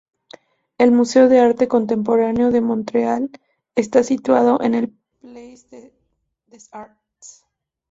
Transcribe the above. El Museo de arte contemporáneo de Montreal está situado en la Place des Arts.